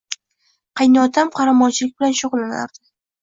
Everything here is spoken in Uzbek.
Qaynotam qoramolchilik bilan shug`ullanardi